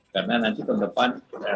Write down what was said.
karena nanti tahun depan